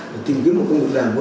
để tìm kiếm một công nghệ làm mới